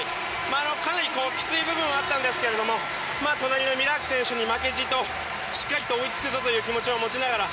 かなりきつい部分はあったんですけれども隣のミラーク選手に負けじとしっかりと追いつくぞという気持ちを持ちながら